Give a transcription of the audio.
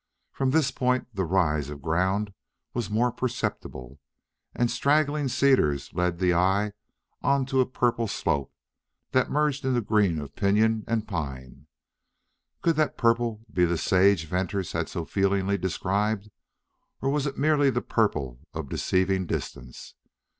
From this point the rise of ground was more perceptible, and straggling cedars led the eye on to a purple slope that merged into green of pinyon and pine. Could that purple be the sage Venters had so feelingly described, or was it merely the purple of deceiving distance?